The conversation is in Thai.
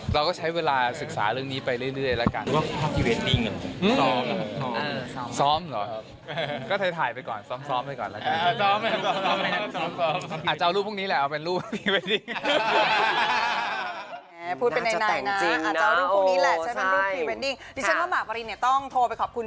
เราก็ใช้เวลาศึกษาเรื่องนี้ไปเรื่อยแล้วกัน